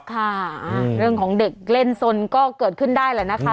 ค่ะเรื่องของเด็กเล่นสนก็เกิดขึ้นได้แหละนะคะ